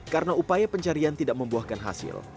karena upaya pencarian tidak membuahkan hasil